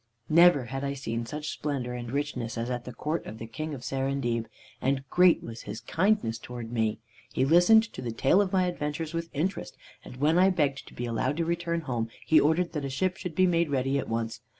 "Never had I seen such splendor and richness as at the court of the King of Serendib, and great was his kindness towards me. He listened to the tale of my adventures with interest, and when I begged to be allowed to return home, he ordered that a ship should be made ready at once.